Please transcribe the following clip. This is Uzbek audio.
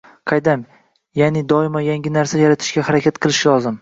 Qaydam? Yaʼni doimo yangi narsa yaratishga harakat qilish lozim.